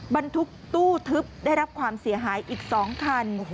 บรรทุกตู้ทึบได้รับความเสียหายอีก๒คัน